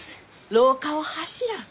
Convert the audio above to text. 廊下を走らん。